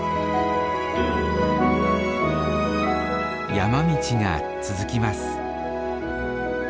山道が続きます。